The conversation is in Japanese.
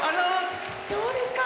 どうですか？